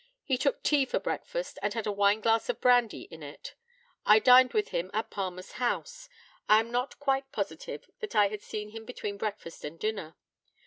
He took tea for breakfast, and had a wineglass of brandy in it. I dined with him at Palmer's house. I am not quite positive that I had seen him between breakfast and dinner.